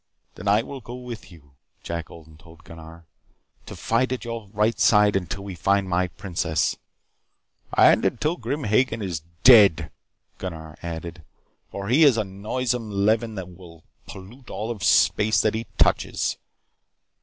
"Then I will go with you," Jack Odin told Gunnar. "To fight at your right side until we find my princess " "And until Grim Hagen is dead," Gunnar added. "For he is a noisome leaven that will pollute all of space that he touches."